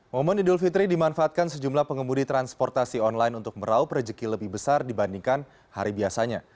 momen idul fitri dimanfaatkan sejumlah pengemudi transportasi online untuk meraup rejeki lebih besar dibandingkan hari biasanya